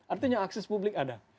artinya akses publik ada